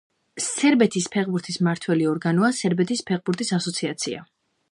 სერბეთის ფეხბურთის მმართველი ორგანოა სერბეთის ფეხბურთის ასოციაცია.